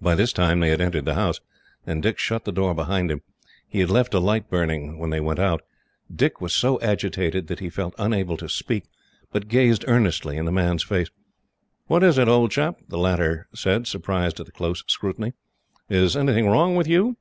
By this time they had entered the house, and Dick shut the door behind him. He had left a light burning, when they went out. Dick was so agitated that he felt unable to speak, but gazed earnestly in the man's face. "What is it, old chap?" the latter said, surprised at the close scrutiny. "Is anything wrong with you?"